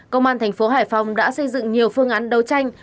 công an thành phố hải phòng đã xây dựng nhiều phương án đấu tranh